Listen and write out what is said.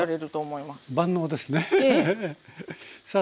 万能ですね。